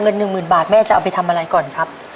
เงิน๑หมื่นบาทจะเอาไปทำอะไรก่อนครับ